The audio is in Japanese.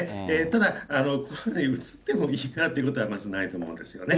ただ、コロナにうつってもいいからということはまずないと思うんですよね。